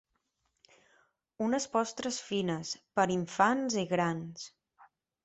Unes postres fines, per infants i grans.